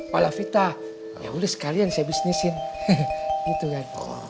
palavita ya udah sekalian saya bisnisin gitu kan